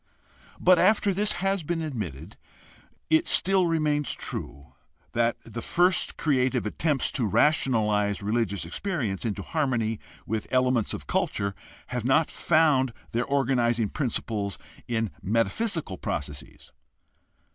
But after this has been admitted it still remains true that the first creative attempts to rationalize religious experience into harmony with elements of culture have not found their organizing principles in metaphysical processes.